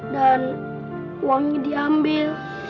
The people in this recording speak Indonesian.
dan uangnya diambil